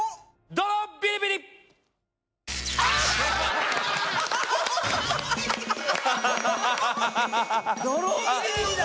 ドロービリビリだ。